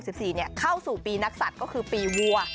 ปีนี้๒๕๖๔เข้าสู่ปีนักสัตว์ก็คือปีวัว